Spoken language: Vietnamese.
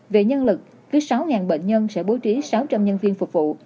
về nhân lực với sáu bệnh nhân sẽ bố trí sáu trăm linh nhân viên phục vụ